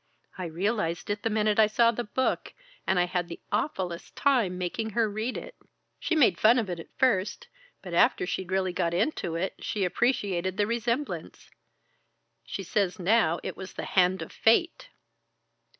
I realized it the minute I saw the book, and I had the awfulest time making her read it. She made fun of it at first, but after she'd really got into it, she appreciated the resemblance. She says now it was the Hand of Fate."